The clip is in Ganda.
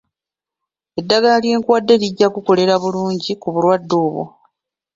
Eddagala lye nkuwadde lijja kukolera bulungi ku bulwadde obwo.